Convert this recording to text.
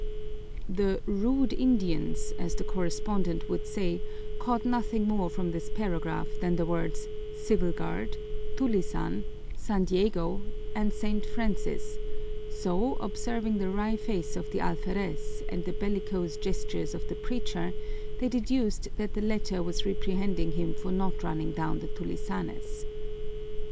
The "rude Indians," as the correspondent would say, caught nothing more from this paragraph than the words "Civil Guard," "tulisan," "San Diego," and "St. Francis," so, observing the wry face of the alferez and the bellicose gestures of the preacher, they deduced that the latter was reprehending him for not running down the tulisanes.